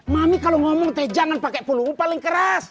mami kalo ngomong teh jangan pake peluru paling keras